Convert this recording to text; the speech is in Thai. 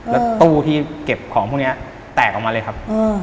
แล้วตู้ที่เก็บของพวกนี้แตกออกมาเลยครับ